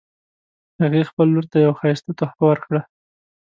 هغې خپل لور ته یوه ښایسته تحفه ورکړه